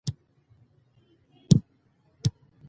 ښه میندې ټولنې ته ګټه رسوي.